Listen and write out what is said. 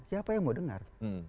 siapa yang mau dengar